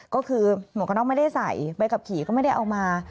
ก็คือหมวกกระน็อกไม่ได้ใส่ใบขับขี่ก็ไม่ได้เอามา